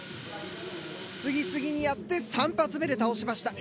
次々にやって３発目で倒しました。